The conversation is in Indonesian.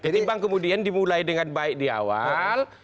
ketimbang kemudian dimulai dengan baik di awal